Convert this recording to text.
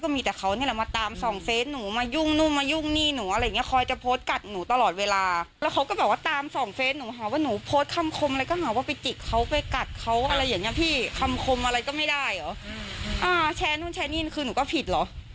ไม่ได้หรอแชร์นู่นแชร์นี่นคือหนูก็ผิดเหรอ